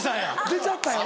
出ちゃったよ。